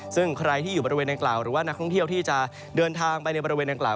ซึ่งใครที่อยู่บริเวณดังกล่าวหรือว่านักท่องเที่ยวที่จะเดินทางไปในบริเวณดังกล่า